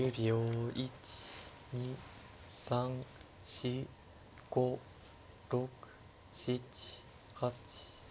１２３４５６７８。